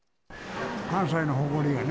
関西の誇りやね。